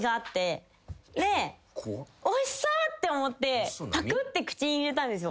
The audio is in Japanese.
おいしそうと思ってぱくって口に入れたんですよ。